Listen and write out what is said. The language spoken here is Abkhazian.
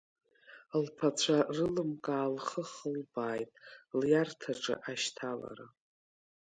Лԥацәа рылымкаа лхы ахылбааит лиарҭаҿы ашьҭалара.